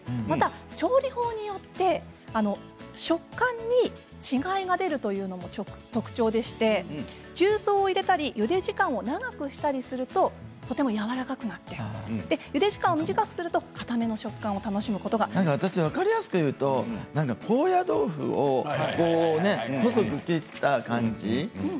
また調理法によって食感に違いが出るというのも特徴でして重曹を入れたりゆで時間を長くしたりするととてもやわらかくなってゆで時間を短くするとかための食感を分かりやすく言うと高野豆腐を細く切った感じ。